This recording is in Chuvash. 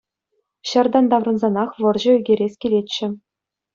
Ҫартан таврӑнсанах вӑрҫӑ ӳкерес килетчӗ.